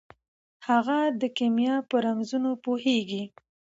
هغه د کیمیا په رمزونو پوهیږي.